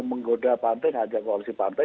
menggoda pantai ngajak koalisi partai